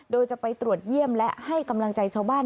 โดยจะไปตรวจเยี่ยมและให้กำลังใจชาวบ้าน